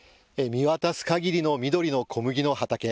見渡すかぎりの緑の小麦の畑。